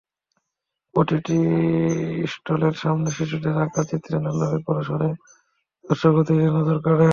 প্রতিটি স্টলের সামনে শিশুদের আঁকা চিত্রের নান্দনিক প্রদর্শনী দর্শক-অতিথিদের নজর কাড়ে।